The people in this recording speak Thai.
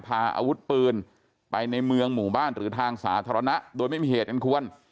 พาอาวุธปืนไปในเมืองหมู่บ้านหรือทางสาธารณะโดยไม่มีเหตุอันควร